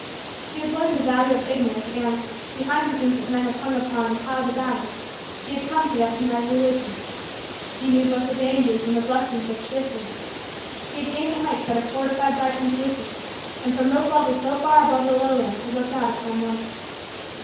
He had learned the value of Ignorance and, behind the things that men have hung upon and piled about it, he had come to recognize Religion. He knew both the dangers and the blessings of Tradition. He had gained the heights that are fortified by Temptation and from those levels so far above the lowlands had looked out upon Life.